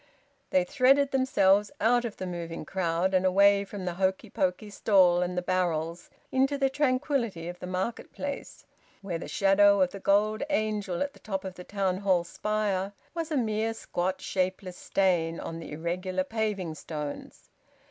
They threaded themselves out of the moving crowd and away from the hokey pokey stall and the barrels into the tranquillity of the market place, where the shadow of the gold angel at the top of the Town Hall spire was a mere squat shapeless stain on the irregular paving stones.